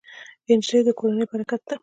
نجلۍ د کورنۍ برکت ده.